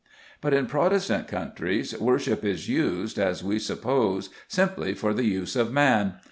But in Protestant countries worship is used, as we suppose, simply for the use of man.